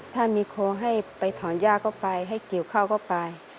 ถ้ามีครูให้ไปถอนย่าก็ไปให้เกี่ยวข้าวก็ไป